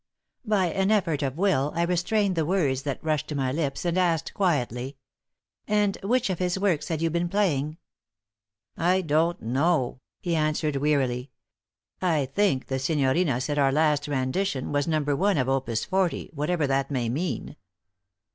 By an effort of will, I restrained the words that rushed to my lips, and asked, quietly: "And which of his works had you been playing?" "I don't know," he answered, wearily. "I think the signorina said our last rendition was No. 1 of Opus 40, whatever that may mean."